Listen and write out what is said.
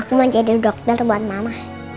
aku mau jadi dokter buat mama